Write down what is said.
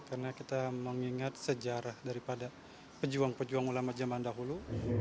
karena kita mengingat sejarah daripada pejuang pejuang ulama zaman dahulu